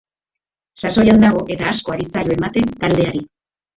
Sasoian dago eta asko ari zaio ematen taldeari.